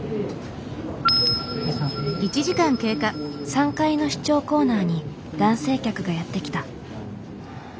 ３階の試聴コーナーに男性客がやって来た。